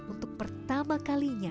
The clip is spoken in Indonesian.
untuk pertama kalinya